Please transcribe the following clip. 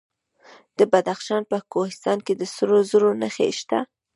د بدخشان په کوهستان کې د سرو زرو نښې شته.